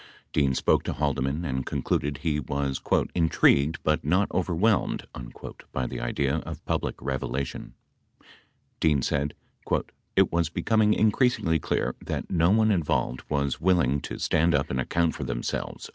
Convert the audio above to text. Dean spoke to Haldeman and concluded he w T as "intrigued but not overwhelmed" by the idea of public revelation. Dean said, "It was becoming increasingly clear that no one involved was willing to stand up and account for themselves."